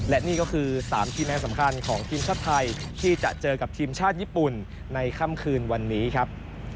และนี่ก็คือ๓คะแนนสำคัญของทีมชาติไทยที่จะเจอกับทีมชาติญี่ปุ่นในค่ำคืนวันนี้ครับ